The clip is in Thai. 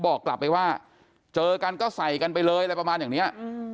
บอกกลับไปว่าเจอกันก็ใส่กันไปเลยอะไรประมาณอย่างนี้